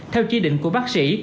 theo chi định của bác sĩ